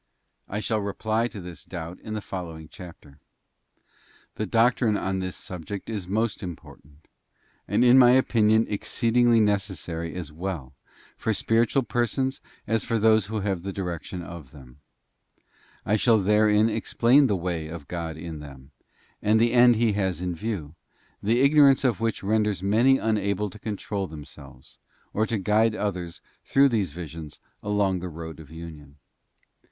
I shall reply to this doubt in the following chapter. The doctrine on this subject is most important, and in my NOTHING TRUSTWORTHY BUT FAITH. 121 opinion exceedingly necessary as well for spiritual persons as for those who have the direction of them. I shall therein explain the way of Godin them, and the end He has in view, the ignorance of which renders many unable to control them selves, or to guide others through these visions along the road of union.